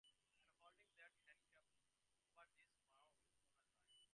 And holding that handkerchief over his mouth all the time.